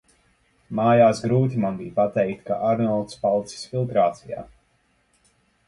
Mājās grūti man bija pateikt, ka Arnolds palicis filtrācijā.